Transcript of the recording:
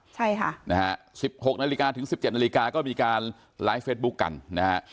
เจอตอนบ่ายใช่ค่ะนะฮะสิบหกนาฬิกาถึงสิบเจ็ดนาฬิกาก็มีการไลฟ์เฟสบุ๊คกันนะฮะ